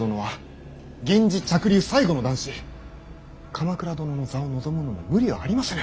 鎌倉殿の座を望むのも無理はありませぬ。